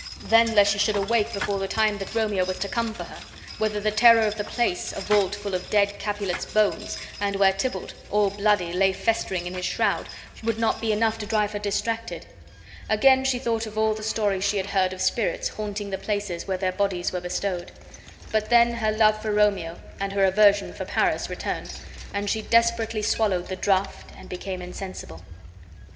Then lest she should awake before the time that Romeo was to come for her; whether the terror of the place, a vault full of dead Capulets' bones, and where Tybalt, all bloody, lay festering in his shroud, would not be enough to drive her distracted. Again she thought of all the stories she had heard of spirits haunting the places where their bodies were bestowed. But then her love for Romeo and her aversion for Paris returned, and she desperately swallowed the draught and became insensible.